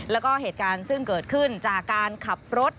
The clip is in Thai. แล้วก็เหตุการณ์ซึ่งเกิดขึ้นจากการขับรถ